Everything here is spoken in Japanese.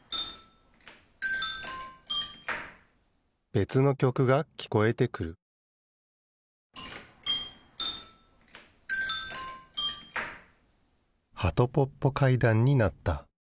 べつのきょくがきこえてくるはとぽっぽ階段になった。